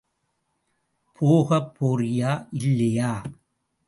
போகப் போறியா இல்லையா?